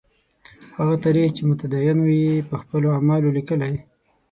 هغه تاریخ چې متدینو یې په خپلو اعمالو لیکلی.